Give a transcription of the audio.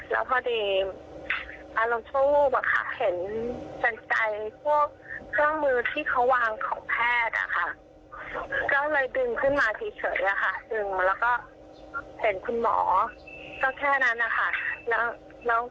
แล้วน้องพี่ก็ไม่ได้อะไรนะคะ